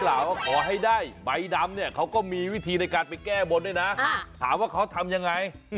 แต่ไม่พอทำไมงานนี้ต้องแก้ร่าง